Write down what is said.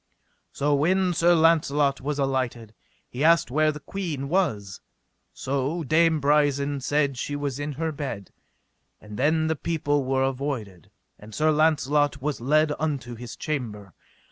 So when Sir Launcelot was alighted, he asked where the queen was. So Dame Brisen said she was in her bed; and then the people were avoided, and Sir Launcelot was led unto his chamber.